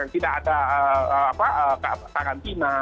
tidak ada karantina